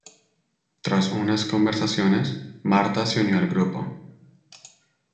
Tras unas conversaciones Marta se unió al grupo.